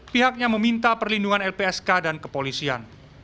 pihaknya meminta perlindungan lpsk dan kepolisian